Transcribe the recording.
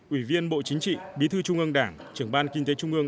ủy viên bộ chính trị bí thư trung ương đảng trưởng ban kinh tế trung ương